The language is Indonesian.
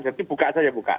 jadi buka saja buka